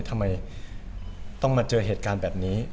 ทำไมต้องมาเจอเหตุการณ์แบบนี้